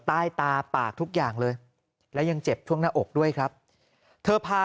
ใต้ตาปากทุกอย่างเลยและยังเจ็บท่วงหน้าอกด้วยครับเธอพา